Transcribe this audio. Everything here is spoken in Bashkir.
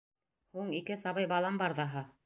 — Һуң ике сабый балам бар ҙаһа.